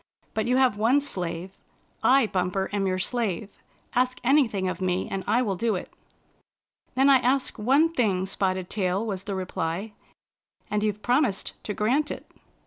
But you have one slave. I, Bumper, am your slave. Ask anything of me, and I will do it." " Then I ask one thing. Spotted Tail," was the reply, " and you've promised to grant it."